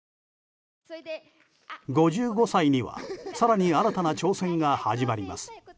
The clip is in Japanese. ５５歳には更に新たな挑戦が始まります。